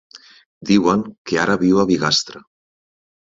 Diuen que ara viu a Bigastre.